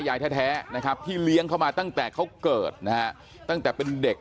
ยายแท้นะครับที่เลี้ยงเขามาตั้งแต่เขาเกิดนะฮะตั้งแต่เป็นเด็ก